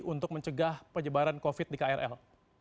untuk mencegah penyebaran covid di krl